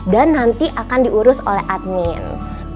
dan nanti akan diurus oleh admin